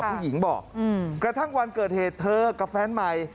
ผู้หญิงบอกกระทั่งวันเกิดเหตุเธอกับแฟนใหม่